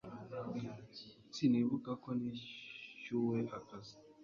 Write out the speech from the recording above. Sinibuka ko nishyuwe akazi